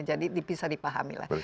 jadi bisa dipahami lah